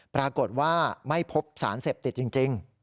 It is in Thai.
ปรากฏว่าไม่พบสารเสพติดจริง